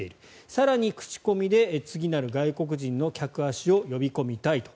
更に口コミで次なる外国人の客足を呼び込みたいと。